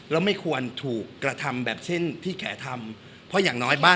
แล้วไม่ควรถูกกระทำแบบเช่นที่แกทำเพราะอย่างน้อยบ้าน